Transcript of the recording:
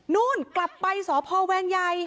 นู่นกลับไปสพแวงใหญ่